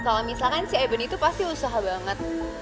kalo misalkan si eben itu pasti usaha banget